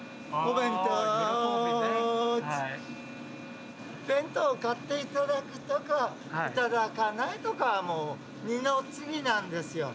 弁当を買っていただくとかいただかないとかはもう二の次なんですよ。